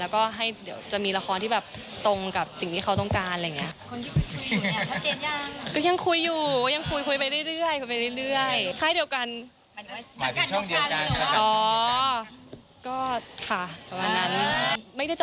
แล้วก็ให้เดี๋ยวจะมีละครที่แบบตรงกับสิ่งที่เขาต้องการอะไรอย่างนี้